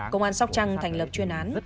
công an sóc trăng thành lập chuyên án